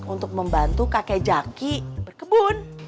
untuk membantu kakek jaki berkebun